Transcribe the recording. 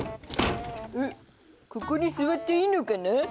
ここに座っていいのかな？